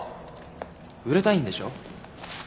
売れたいんでしょ？